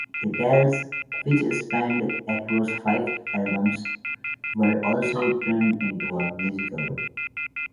The tales, which spanned across five albums, were also turned into a musical.